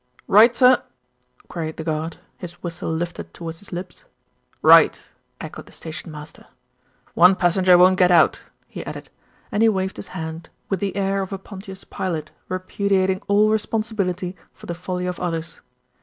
"Right, sir?" queried the guard, his whistle lifted towards his lips. "Right!" echoed the station master. "One passen ger won't get out," he added, and he waved his hand with the air of a Pontius Pilate repudiating all responsi bility for the folly of others.